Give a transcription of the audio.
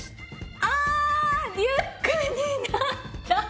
ああリュックになった！